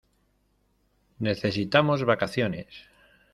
Necesitamos vacaciones.